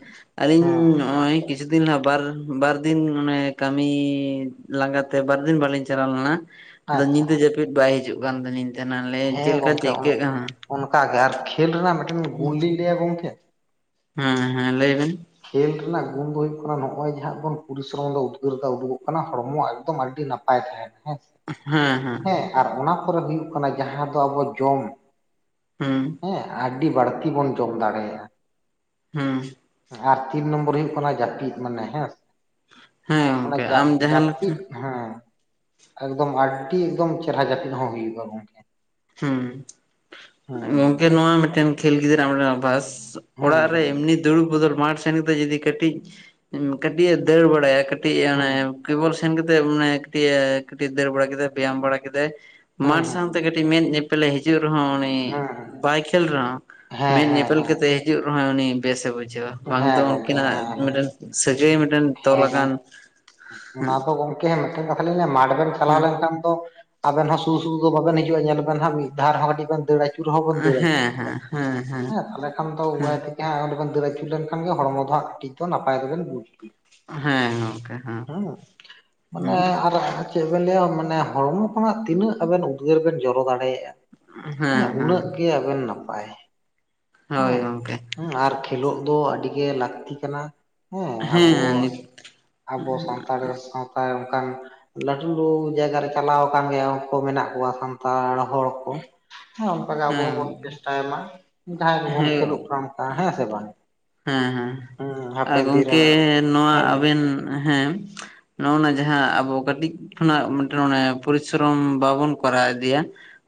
ᱟᱹᱞᱤᱧ ᱦᱮᱸ ᱱᱚᱜ ᱚᱭ ᱠᱤᱪᱷᱩ ᱫᱤᱱ ᱱᱟᱜ ᱵᱟᱨ ᱵᱟᱨ ᱫᱤᱱ ᱚᱱᱮ ᱠᱟᱹᱢᱤ ᱞᱟᱸᱜᱟ ᱛᱮ ᱵᱟᱨ ᱫᱤᱱ ᱵᱟᱞᱤᱧ ᱪᱟᱞᱟᱣ ᱞᱮᱱᱟ ᱟᱫᱚ ᱟᱪᱪᱷᱟ ᱧᱤᱫᱟᱹ ᱡᱟᱹᱯᱤᱫ ᱵᱟᱭ ᱦᱟᱹᱡᱩᱜ ᱠᱟᱱ ᱛᱟᱞᱤᱧ ᱛᱮᱦᱮᱱᱟ ᱞᱮᱭᱟ ᱦᱮᱸ ᱪᱮᱞᱠᱟ ᱜᱚᱝᱠᱮ ᱪᱤᱠᱟᱹᱜ ᱠᱟᱱᱟ, ᱚᱱᱠᱟ ᱜᱮ ᱟᱨ ᱠᱷᱮᱞ ᱨᱮᱱᱟᱜ ᱢᱮᱫᱴᱮᱱ ᱜᱩᱱᱞᱤᱧ ᱞᱮᱭᱟ ᱜᱚᱝᱠᱮ? ᱦᱮᱸ ᱦᱮᱸ ᱞᱟᱹᱭᱵᱮᱱ᱾ ᱠᱷᱹᱮᱞ ᱨᱮᱱᱟᱜ ᱜᱩᱱ ᱫᱚ ᱦᱩᱭᱩᱜ ᱠᱟᱱᱟ ᱱᱚᱜ ᱚᱭ ᱡᱟᱦᱟᱸ ᱵᱚᱱ ᱯᱚᱨᱤᱥᱨᱚᱢ ᱫᱟ ᱩᱫᱽᱜᱟᱹᱨ ᱫᱟᱜ ᱩᱰᱩᱜᱚᱜ ᱠᱟᱱᱟ ᱦᱚᱲᱢᱚ ᱮᱠᱫᱚᱢ ᱟᱹᱰᱤ ᱱᱟ ᱯᱟᱭ ᱛᱟᱦᱮᱱᱟ ᱦᱮᱸᱥᱮ᱾ ᱦᱮᱸ ᱦᱮᱸ ᱦᱮᱸ ᱟᱨ ᱚᱱᱟ ᱯᱚᱨᱮ ᱦᱩᱭᱩᱜ ᱠᱟᱱᱟ ᱡᱟᱦᱟᱸ ᱫᱚ ᱟᱵᱚ ᱡᱚᱢ, ᱦᱩᱸ ᱦᱮᱸ ᱟᱹᱰᱤ ᱵᱟᱹᱲᱛᱤ ᱵᱚᱱ ᱡᱚᱢ ᱫᱟᱲᱮᱭᱟᱜ-ᱟ᱾ ᱦᱩᱸ ᱟᱨ ᱛᱤᱱ ᱱᱚᱢᱵᱚᱨ ᱦᱩᱭᱩᱜ ᱠᱟᱱᱟ ᱡᱟᱯᱤᱫ ᱢᱟᱱᱮ ᱦᱮᱸᱥ ᱦᱮᱸ ᱚᱱᱟ ᱜᱚᱝᱠᱮ ᱡᱟᱯ ᱟᱢ ᱡᱟᱦᱟᱸ ᱞᱮᱠᱟ ᱡᱟᱯᱤᱫ ᱦᱮᱸ ᱮᱠᱫᱚᱢ ᱟᱹᱰᱰᱤ ᱮᱠᱫᱚᱢ ᱪᱮᱨᱦᱟ ᱡᱟᱹᱯᱤᱫ ᱦᱚᱸ ᱦᱩᱭᱩᱜ-ᱟ ᱜᱚᱝᱠᱮ᱾ ᱦᱩᱸ ᱦᱮᱸ ᱜᱚᱝᱠᱮ ᱱᱚᱣᱟ ᱢᱮᱜᱴᱮᱱ ᱠᱷᱮᱞ ᱜᱤᱫᱽᱨᱟᱹᱣᱟᱜ ᱢᱮᱜᱴᱮᱱ ᱚᱵᱷᱟᱥ ᱦᱮᱸ ᱚᱲᱟᱜ ᱨᱮ ᱮᱢᱱᱤ ᱫᱩᱲᱩᱵ ᱵᱚᱫᱚᱞ ᱢᱟᱴᱷ ᱥᱮᱱ ᱠᱟᱛᱮᱜ ᱡᱩᱫᱤ ᱠᱟᱹᱴᱤᱡ ᱠᱟᱹᱴᱤᱡ ᱮ ᱫᱟᱹᱲ ᱵᱟᱲᱟᱭᱟ ᱠᱟᱹᱴ ᱴᱤᱜ ᱦᱮᱸ ᱚᱱᱮ ᱠᱮᱵᱚᱞ ᱥᱮᱱ ᱠᱟᱛᱮᱜ ᱢᱟᱱᱮ ᱠᱟᱹᱴᱤᱡ ᱮ ᱠᱟᱹᱴᱤᱡ ᱫᱟᱹᱲ ᱵᱟᱲᱟ ᱠᱮᱫᱟᱭ ᱵᱮᱭᱟᱢ ᱵᱟᱲᱟ ᱠᱮᱫᱟᱭ ᱦᱮᱸ ᱢᱟᱴ ᱦᱮᱸ ᱥᱟᱶᱛᱮ ᱠᱟᱹᱴᱤᱡ ᱢᱮᱫ ᱧᱮᱯᱮᱞᱮ ᱦᱤᱡᱩᱜ ᱨᱮᱦᱚᱸ ᱩᱱᱤ ᱦᱮᱸ ᱦᱮᱸ ᱵᱟᱭ ᱠᱷᱮᱞ ᱨᱮᱦᱚᱸ ᱦᱮᱸ ᱢᱮᱫ ᱧᱮᱯᱮᱞ ᱦᱮᱸ ᱠᱟᱛᱮ ᱦᱤᱡᱩᱜ ᱨᱮᱦᱚᱸᱭ ᱩᱱᱤ ᱵᱮᱥᱮ ᱵᱩᱡ ᱡᱷᱟᱹᱣᱟ ᱵᱟᱝ ᱫᱚ ᱦᱮᱸ ᱜᱚᱝᱠᱮ ᱩᱱᱠᱤᱱᱟᱜ ᱦᱮᱸ ᱢᱮᱫᱴᱮᱱ ᱥᱟᱹᱜᱟᱹᱭ ᱢᱮᱫᱴᱮᱱ ᱛᱚᱞ ᱦᱮᱸ ᱟᱠᱟᱱ ᱜᱚᱝᱠᱮ ᱚᱱᱟ ᱫᱚ ᱜᱚᱝᱠᱮ ᱢᱮᱜᱴᱮᱱ ᱠᱟᱛᱷᱟ ᱞᱤᱧ ᱞᱟᱹᱭᱟ ᱢᱟᱴᱷ ᱵᱮᱱ ᱪᱟᱞᱟᱣ ᱦᱮᱸ ᱞᱮᱱᱠᱷᱟᱱ ᱫᱚ ᱟᱵᱮᱱ ᱦᱚᱸ ᱥᱩᱫᱩ ᱥᱩᱫᱩ ᱫᱚ ᱵᱟᱵᱮᱱ ᱦᱤᱡᱩᱜ-ᱟ ᱧᱮᱞ ᱵᱮᱱ ᱦᱟᱸᱜ ᱢᱤᱜ ᱫᱷᱟᱣ ᱨᱮᱦᱚᱸ ᱠᱟᱹᱴᱤᱡ ᱵᱮᱱ ᱫᱟᱹᱲ ᱟᱹᱪᱩ ᱪᱩ ᱨᱮᱦᱚᱸ ᱵᱮᱱ ᱫᱟᱹᱲ ᱟᱹᱪᱩᱨᱚᱜ ᱜᱮᱭᱟ ᱦᱮᱸ ᱛᱟᱦᱞᱮ ᱠᱷᱟᱱ ᱛᱚ ᱩᱣᱟᱹᱭ ᱦᱮᱸ ᱜᱮᱦᱟᱸᱜ ᱚᱸᱰᱮᱵᱮᱱ ᱫᱟᱹᱨ ᱟᱹᱪᱩᱨ ᱞᱮᱱᱠᱷᱟᱱ ᱜᱮ ᱦᱚᱲᱢᱚ ᱫᱚ ᱦᱟᱸᱜ ᱠᱟᱹᱴᱤᱡ ᱫᱚ ᱱᱟᱯᱟᱭ ᱫᱚᱵᱮᱱ ᱵᱩᱡ ᱜᱮᱭᱟ᱾ ᱦᱮᱸ ᱜᱚᱝᱠᱮ ᱦᱮᱸ ᱦᱩᱸ ᱢᱟᱱᱮ ᱦᱮᱸ ᱟᱨ ᱪᱮᱜ ᱵᱮᱱ ᱞᱟᱹᱭᱟ ᱢᱟᱱᱮ ᱦᱚᱲᱢᱚ ᱠᱷᱚᱱᱟᱜ ᱛᱤᱱᱟᱹᱜ ᱟᱵᱮᱱ ᱩᱫᱽᱜᱟᱹᱨ ᱵᱮᱱ ᱡᱚᱨᱚ ᱫᱟᱲᱮᱭᱟᱜ-ᱟ ᱦᱮᱸ ᱩᱱᱟᱹᱜ ᱜᱮ ᱟᱵᱮᱱ ᱱᱟᱯᱟᱭ ᱦᱳᱭ ᱦᱮᱸ ᱜᱚᱝᱠᱮ ᱦᱩᱸ ᱟᱨ ᱠᱷᱮᱞᱳᱜ ᱫᱚ ᱟᱹᱰᱤ ᱜᱮ ᱞᱟᱹᱠᱛᱤ ᱠᱟᱱᱟ ᱦᱮᱸ ᱟᱵᱚ ᱦᱮᱸ ᱱᱤᱛ ᱟᱵᱚ ᱥᱟᱱᱛᱟᱲ ᱥᱟᱶ ᱛᱟ ᱚᱱᱠᱟᱱ ᱞᱟᱹᱴᱩ ᱡᱟᱭᱜᱟᱨᱮ ᱪᱟᱞᱟᱣ ᱟᱠᱟᱱ ᱜᱮᱭᱟ ᱳᱝᱠᱳ ᱢᱮᱱᱟᱜ ᱠᱚᱣᱟ ᱥᱟᱱᱛᱟᱲ ᱦᱚᱲ᱾ ᱠᱚ ᱦᱮᱸ ᱚᱱᱠᱟ ᱜᱮ ᱟᱵᱚ ᱦᱮᱸ ᱦᱚᱸᱵᱚᱱ ᱪᱮᱥᱴᱟᱭ ᱢᱟ ᱡᱟᱦᱟᱸᱭ ᱠᱚᱵᱚᱱ ᱠᱷᱮᱞᱳᱜ ᱠᱟᱱᱛᱟ ᱦᱮᱸ ᱥᱮ ᱵᱟᱝ᱾ ᱦᱩᱸ ᱦᱩᱸ ᱦᱮᱸ ᱟᱨ ᱦᱟᱯᱮᱱ ᱫᱤᱱ ᱨᱮ ᱜᱚᱝᱠᱮ ᱱᱚᱣᱟ ᱦᱮᱸ ᱟᱵᱮᱱ ᱦᱮᱸᱼᱼ ᱱᱚᱜᱼᱱᱟ ᱡᱟᱦᱟᱸ ᱟᱵᱚ ᱠᱟᱹᱴᱤᱡ ᱠᱷᱚᱱᱟᱜ ᱢᱤᱫᱴᱮᱱ ᱚᱱᱮ ᱯᱚᱨᱤᱥᱨᱚᱢ ᱵᱟᱵᱚᱱ ᱠᱚᱨᱟᱣ ᱤᱫᱤᱭᱟᱼᱼ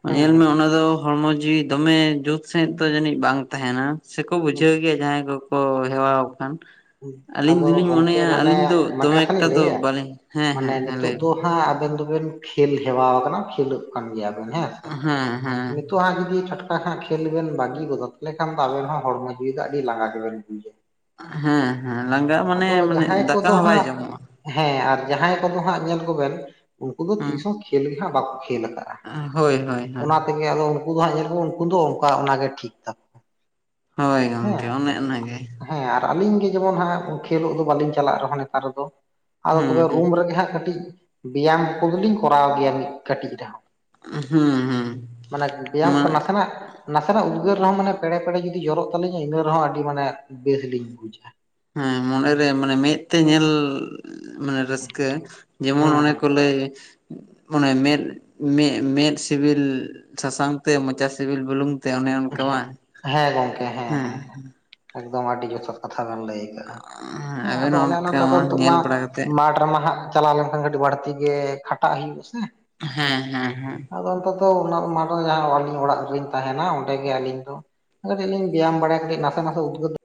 ᱦᱮᱸ ᱧᱮᱞᱢᱮ ᱚᱱᱟ ᱫᱚ ᱦᱚᱲᱢᱚ ᱡᱤᱣᱤ ᱫᱚᱢᱮ ᱡᱩᱛ ᱥᱟᱺᱦᱤᱡ ᱫᱚ ᱡᱟᱹᱱᱤᱡ ᱵᱟᱝ ᱛᱟᱦᱮᱱᱟ ᱾ ᱥᱮᱠᱚ ᱵᱩᱡᱷᱟᱹᱣ ᱜᱮᱭᱟ ᱡᱟᱦᱟᱸᱭ ᱠᱚᱠᱚ ᱦᱮᱣᱟᱣ ᱠᱟᱱ᱾ ᱟᱹᱞᱤᱧ ᱟᱫᱚ ᱫᱩᱞᱤᱧ ᱜᱚᱝᱠᱮ ᱢᱚᱱᱮᱭᱟ ᱢᱟᱱᱮ ᱟᱹᱞᱤᱧ ᱫᱚ ᱢᱤᱫᱴᱮᱱ ᱫᱚᱢᱮ ᱠᱟᱛᱷᱟ ᱮᱠᱴᱟ ᱞᱤᱧ ᱫᱚ ᱵᱟᱹᱞᱤᱧ ᱦᱮᱸ ᱦᱮᱸ ᱦᱮᱸ ᱞᱟᱹᱭ ᱵᱤᱱ ᱱᱟ ᱟᱵᱮᱱ ᱫᱚᱵᱮᱱ ᱠᱷᱮᱞ ᱦᱮᱣᱟᱣ ᱠᱟᱱᱟ ᱠᱷᱮᱞᱳᱜ ᱠᱟᱱ ᱜᱮᱭᱟᱵᱮᱱ ᱦᱮᱸ ᱥᱮ ᱦᱮᱸ ᱦᱮᱸ ᱱᱤᱛ ᱦᱮᱛᱚᱜ ᱦᱟᱸᱜ ᱡᱩᱫᱤ ᱪᱷᱟᱴᱠᱟ ᱠᱷᱟᱸᱜ ᱠᱷᱮᱞ ᱵᱮᱱ ᱵᱟᱹᱜᱤ ᱜᱚᱫᱟ ᱛᱟᱦᱚᱞᱮ ᱠᱷᱟᱱ ᱫᱚ ᱟᱵᱮᱱ ᱦᱚᱸ ᱦᱚᱲᱢᱚ ᱡᱤᱣᱤ ᱫᱚ ᱟᱹᱰᱤ ᱞᱟᱸᱜᱟ ᱜᱮᱵᱮᱱ ᱵᱩᱡᱟ᱾ ᱦᱮᱸ ᱦᱮᱸ ᱞᱟᱸᱜᱟ ᱢᱟᱱᱮ ᱟᱫᱚ ᱢᱟᱱᱮ ᱡᱟᱦᱟᱸᱭ ᱫᱟᱠᱟ ᱠᱚᱫᱚ ᱦᱚᱸ ᱵᱟᱭ ᱦᱟᱸᱜ ᱡᱚᱢᱚᱜᱼᱟ ᱾ ᱦᱮᱸ ᱟᱨ ᱡᱟᱦᱟᱸᱭ ᱠᱚᱫᱚ ᱦᱟᱸᱜ ᱧᱮᱞ ᱠᱚᱵᱮᱱ ᱩᱝᱠᱩ ᱫᱚ ᱛᱤᱥᱦᱚᱸ ᱠᱷᱮᱞ ᱜᱮ ᱦᱟᱸᱜ ᱵᱟᱠᱚ ᱠᱷᱮᱞ ᱠᱟᱜᱼᱟ᱾ ᱟ ᱦᱳᱭ ᱦᱳᱭ ᱦᱳᱭ᱾ ᱦᱳᱭ, ᱟᱫᱚ ᱩᱱᱠᱩ ᱫᱚ ᱦᱟᱸᱜ ᱧᱮᱞ ᱠᱚᱢ ᱩᱝᱠᱩ ᱫᱚ ᱚᱝᱠᱟ ᱚᱱᱟᱜᱮ ᱴᱷᱤᱠ ᱛᱟᱠᱚ᱾ ᱦᱳᱭ ᱦᱮᱸ ᱜᱚᱝᱠᱮ ᱚᱱᱮ ᱚᱱᱟᱜᱮ᱾ ᱦᱮᱸ ᱟᱨ ᱟᱹᱞᱤᱧ ᱜᱮ ᱡᱮᱢᱚᱱ ᱦᱟᱸᱜ ᱠᱷᱮᱞᱳᱜ ᱫᱚ ᱵᱟᱹᱞᱤᱧ ᱪᱟᱞᱟᱜ ᱨᱮᱦᱚᱸ ᱱᱮᱛᱟᱨ ᱫᱚ ᱾ ᱟᱫᱚ ᱛᱚᱵᱮ ᱦᱩᱸ ᱨᱩᱢ ᱦᱩᱸ ᱨᱮᱜᱮ ᱦᱟᱸᱜ ᱠᱟᱹᱴᱤᱡ ᱵᱮᱭᱟᱢ ᱠᱚᱫᱚᱞᱤᱧ ᱠᱚᱨᱟᱣ ᱜᱮᱭᱟᱞᱤᱧ ᱠᱟᱹᱴᱤᱡ ᱨᱮᱦᱚᱸ ᱾ ᱦᱩᱸ ᱦᱩᱸ ᱢᱟᱱᱮ ᱵᱮᱭᱟᱢ ᱠᱚ ᱢᱟᱱᱮ ᱱᱟᱥᱮᱱᱟᱜᱼᱼ ᱱᱟᱥᱮᱱᱟᱜ ᱩᱫᱽᱜᱟᱹᱨ ᱨᱮᱦᱚᱸ ᱢᱟᱱᱮ ᱯᱮᱲᱮ ᱯᱮᱲᱮ ᱡᱩᱫᱤ ᱡᱚᱨᱚᱜ ᱛᱟᱹᱞᱤᱧᱟ ᱤᱱᱟᱹ ᱨᱮᱦᱚᱸ ᱟᱹᱰᱤ ᱢᱟᱱᱮ ᱵᱮᱥ ᱞᱤᱧ ᱵᱩᱡᱟ ᱾ ᱦᱩᱸ ᱢᱚᱱᱮᱨᱮ ᱢᱟᱱᱮ ᱢᱮᱫ ᱛᱮ ᱧᱮᱞᱼᱼ ᱢᱟᱱᱮ ᱨᱟᱹᱥᱠᱟᱹ ᱡᱮᱢᱚᱱ ᱦᱩᱸ ᱚᱱᱮ ᱠᱚ ᱦᱩᱸ ᱞᱟᱹᱭᱼᱼ ᱚᱱᱮ ᱢᱮᱫ ᱢᱮᱜ ᱢᱮᱫ ᱥᱤᱵᱤᱞ ᱥᱟᱥᱟᱝ ᱛᱮ ᱢᱚᱪᱟ ᱥᱤᱵᱤᱞ ᱵᱩᱞᱩᱝᱼᱼ ᱦᱮᱸ ᱜᱚᱝᱠᱮ ᱦᱮᱸ ᱦᱮᱸ ᱦᱮᱸ ᱮᱠᱫᱚᱢ ᱟᱹᱰᱤ ᱡᱚᱛᱷᱟᱛ ᱠᱟᱛᱷᱟ ᱵᱮᱱ ᱞᱟᱹᱭ ᱠᱟᱜᱼᱟ ᱾ ᱦᱮᱸ ᱟᱵᱮᱱ ᱟᱫᱚ ᱦᱚᱸ ᱚᱱᱮ ᱚᱱᱟ ᱚᱱᱠᱟ ᱛᱮᱫᱚ ᱱᱤᱛᱳᱜ ᱢᱟ ᱧᱮᱞ ᱵᱟᱲᱟ ᱠᱟᱛᱮᱫ ᱢᱟᱴᱷ ᱨᱮᱢᱟ ᱦᱟᱸᱜᱼᱼ ᱪᱟᱞᱟᱣ ᱞᱮᱱᱠᱷᱟᱱ ᱠᱟᱹᱴᱤᱡ ᱵᱟᱲᱛᱤ ᱜᱮ ᱠᱷᱟᱴᱟᱜ ᱦᱩᱭᱩᱜ-ᱟ ᱥᱮᱼᱼ ᱦᱮᱸ ᱦᱮᱸ ᱦᱮᱸ᱾ ᱟᱫᱚ ᱚᱱᱛᱚ ᱛᱚ ᱩᱱᱟᱹᱜ ᱢᱟᱨᱮ ᱡᱟᱦᱟᱸ ᱟᱹᱞᱤᱧ ᱚᱲᱟᱜ ᱨᱮᱞᱤᱧ ᱛᱟᱦᱮᱸᱱᱟ ᱚᱱᱼᱼ ᱜᱮ ᱟᱹᱞᱤᱧ ᱫᱚ ᱠᱟᱹᱴᱤᱡ ᱞᱤᱧ ᱵᱮᱭᱟᱢ ᱵᱟᱲᱟᱭᱟ ᱠᱟᱹᱴᱤᱡ ᱱᱟᱥᱮ ᱱᱟᱥᱮ ᱩᱫᱽᱜᱟᱹᱨᱼᱼ